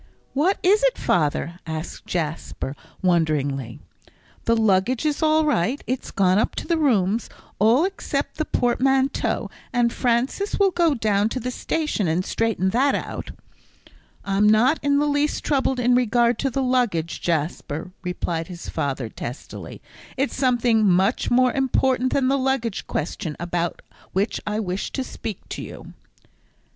"What is it, father?" asked Jasper, wonderingly; "the luggage is all right; it's gone up to the rooms all except the portmanteau, and Francis will go down to the station and straighten that out." "I'm not in the least troubled in regard to the luggage, Jasper," replied his father, testily; "it's something much more important than the luggage question about which I wish to speak to you."